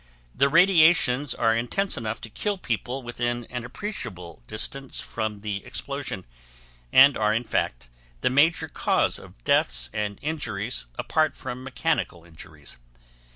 The radiations are intense enough to kill people within an appreciable distance from the explosion, and are in fact the major cause of deaths and injuries apart from mechanical injuries.